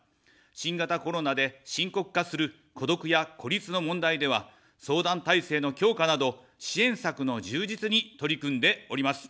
新型コロナで深刻化する孤独や孤立の問題では、相談体制の強化など、支援策の充実に取り組んでおります。